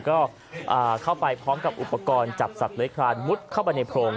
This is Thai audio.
ก็เข้าไปพร้อมกับอุปกรณ์จับสัตว์เลื้อยคลานมุดเข้าไปในโพรง